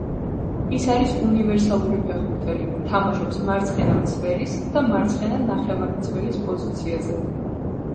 ის არის უნივერსალური ფეხბურთელი, თამაშობს მარცხენა მცველის და მარცხენა ნახევარმცველის პოზიციაზე.